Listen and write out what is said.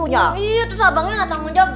ya terus abangnya tidak menjawab